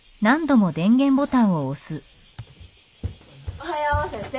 おはよう先生。